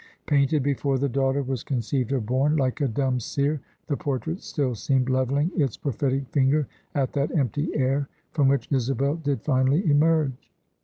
Painted before the daughter was conceived or born, like a dumb seer, the portrait still seemed leveling its prophetic finger at that empty air, from which Isabel did finally emerge.